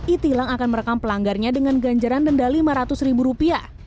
e tilang akan merekam pelanggarnya dengan ganjaran denda rp lima ratus